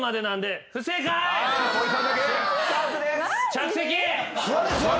着席！